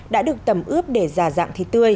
đã được tẩm ướp để giả dạng thịt tươi